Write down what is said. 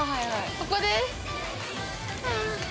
ここです！